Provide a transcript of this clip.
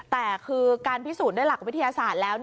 แต่คือการพิสูจน์ด้วยหลักวิทยาศาสตร์แล้ว